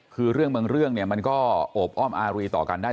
คือเรื่องบางเรื่องเนี่ยมันก็โอบอ้อมอารีต่อกันได้